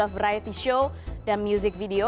juga berhasil membuat variety show dan music video